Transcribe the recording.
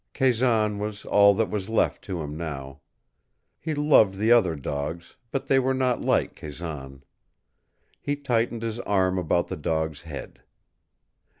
Kazan was all that was left to him now. He loved the other dogs, but they were not like Kazan. He tightened his arm about the dog's head.